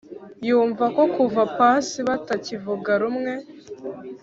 yumva ko kuva pasi batakivuga rumwe